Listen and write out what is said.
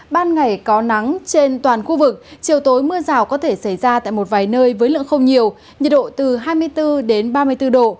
ban ngày có nắng trên toàn khu vực chiều tối mưa rào có thể xảy ra tại một vài nơi với lượng không nhiều nhiệt độ từ hai mươi bốn đến ba mươi bốn độ